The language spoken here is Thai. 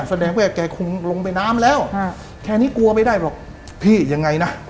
แสดงว่าแกคงลงไปน้ำแล้วแค่นี้กลัวไม่ได้หรอกพี่ยังไงนะ